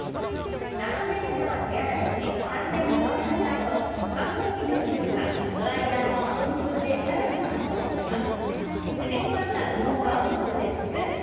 ダウンジャケットは手洗いし完全に乾かしたあと乾燥機にかけるかドライヤーの温風で更に乾燥させます。